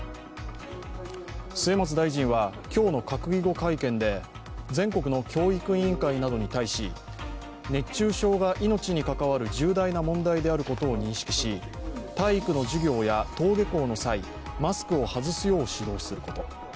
末松大臣は今日の閣議後会見で全国の教育委員会などに対し、熱中症が命に関わる重大な問題であることを認識し体育の授業や登下校の際、マスクを外すよう指導すること。